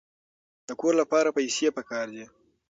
د کور لپاره پیسې پکار دي.